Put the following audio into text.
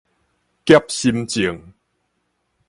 狹心症